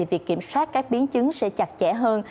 việc kiểm soát các biến chứng sẽ chặt chẽ hơn